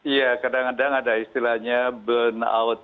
ya kadang kadang ada istilahnya burn out